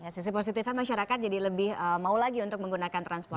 sisi positifnya masyarakat jadi lebih mau lagi untuk menggunakan transportasi